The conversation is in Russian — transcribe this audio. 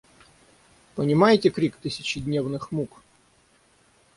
Понимаете крик тысячедневных мук?